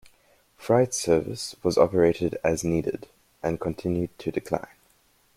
Freight service was operated as-needed, and continued to decline.